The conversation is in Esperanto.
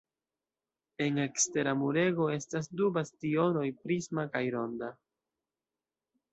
En ekstera murego estas du bastionoj, prisma kaj ronda.